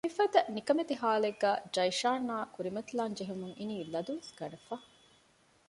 މިފަދަ ނިކަމެތި ހާލެއްގައި ޖަައިޝާން އާ ކުރިމަތިލާން ޖެހުމުން އިނީ ލަދުވެސް ގަނެފަ